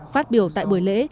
phát biểu tại buổi lễ